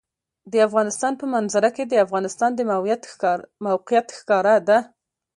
د افغانستان په منظره کې د افغانستان د موقعیت ښکاره ده.